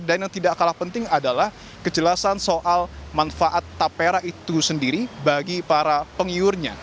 dan yang tidak kalah penting adalah kejelasan soal manfaat tapera itu sendiri bagi para pengiurnya